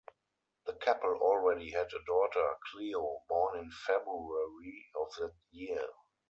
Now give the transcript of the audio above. The couple already had a daughter, Cleo, born in February of that year.